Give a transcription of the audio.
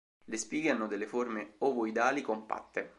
Le spighe hanno delle forme ovoidali compatte.